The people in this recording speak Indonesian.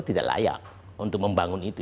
tidak layak untuk membangun itu